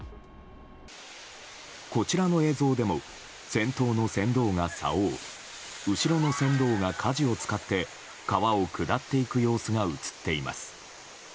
こちらの映像でも先頭の船頭がさおを後ろの船頭がかじを使って川を下っていく様子が映っています。